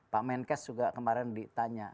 pak menkes juga kemarin ditanya